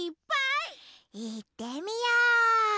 いってみよう！